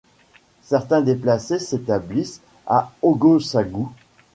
Certains déplacés s'établissent à Ogossagou.